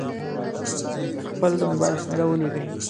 خپل د مبایل شمېره ولیکئ.